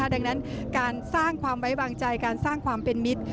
ดังนั้นการสร้างความไว้วางใจการสร้างความเป็นมิตร